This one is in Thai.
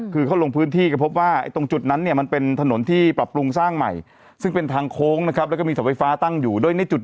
คือเขาลงพื้นที่ก็พบว่าตรงจุดนั้นเนี่ยมันเป็นถนนที่ปรับปรุงสร้างใหม่ซึ่งเป็นทางโค้งนะครับแล้วก็มีเสาไฟฟ้าตั้งอยู่ด้วยในจุด